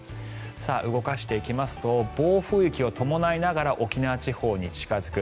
動かしていきますと暴風域を伴いながら沖縄地方に近付く。